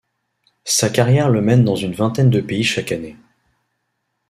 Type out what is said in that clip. Sa carrière le mène dans une vingtaine de pays chaque année.